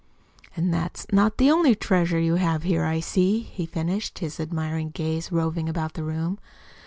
And that's not the only treasure you have here, I see," he finished, his admiring gaze roving about the room.